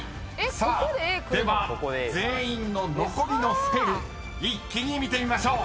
［さあでは全員の残りのスペル一気に見てみましょう］